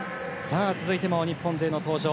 続いても日本勢の登場。